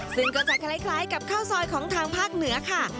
ซึ่งก็จะคล้ายกับข้าวซอยของทางภาคเหนือค่ะ